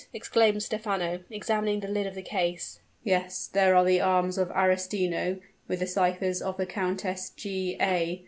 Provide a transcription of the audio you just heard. exclaimed Stephano, examining the lid of the case. "Yes, there are the arms of Arestino, with the ciphers of the Countess, G. A.